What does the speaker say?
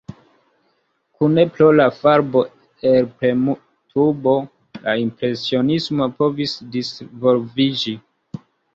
Kune pro la farbo-elpremtubo la impresionismo povis disvolviĝi.